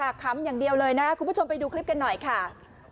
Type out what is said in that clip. คำอย่างเดียวเลยนะคุณผู้ชมไปดูคลิปกันหน่อยค่ะ